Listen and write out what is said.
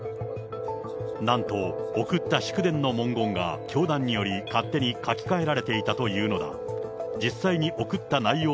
なんと送った祝電の文言が教団により勝手に書き換えられていたというのだ。